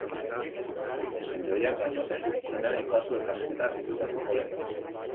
Presidente ohiak, baina, ez du zuzenean aipatu elkarrizketak piztutako polemika.